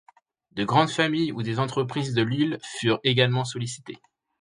De grandes familles ou des entreprises de l'île furent également sollicitées.